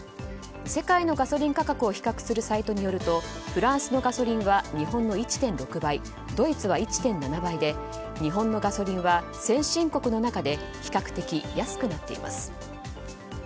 世界のガソリン価格を比較するサイトによるとフランスのガソリンは日本の１．６倍ドイツは１．７倍で日本のガソリンは先進国の中で比較的安くなっています。